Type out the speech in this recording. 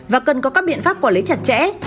và cần có các biện pháp quản lý chặt chẽ